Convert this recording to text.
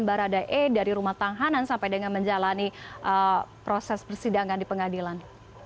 gimana menurut anda bagaimana perjalanan baradae dari rumah tangkangan sampai dengan menjalani proses bersidangan di pengadilan